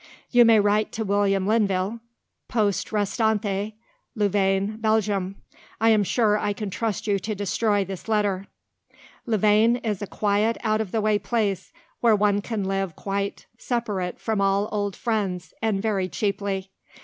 "You may write to William Linville, Poste Restante, Louvain, Belgium. I am sure I can trust you to destroy this letter. "Louvain is a quiet, out of the way place, where one can live quite separated from all old friends, and very cheaply.